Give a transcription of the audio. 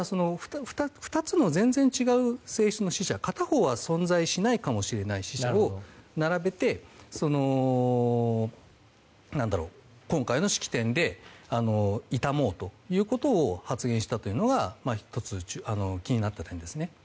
２つの全然違う性質の死者片方は存在しないかもしれない死者を並べて今回の式典で悼もうということを発言したというのは１つ、気になった点ですね。